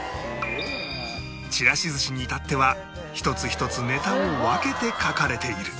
ちらし寿司に至っては一つ一つネタを分けて描かれている